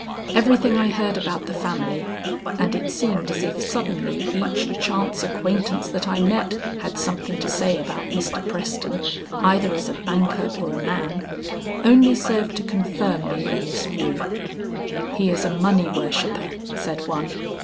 Everything I heard about the family and it seemed as if suddenly each chance acquaintance that I met had something to say about Mr. Preston either as a banker or a man, only served to confirm me in this view. "He is a money worshipper," said one.